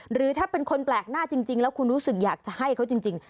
หรือถ้าเป็นคนแปลกหน้าจริงแล้วคุณรู้สึกอยากจะให้เขาจริง